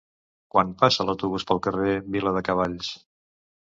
Quan passa l'autobús pel carrer Viladecavalls?